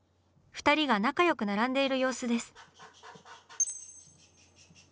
２人が仲よく並んでいる様子です。